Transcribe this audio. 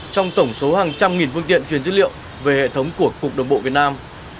trong tổng số hàng trăm nghìn phương tiện truyền dữ liệu về hệ thống của cục đồng bộ việt nam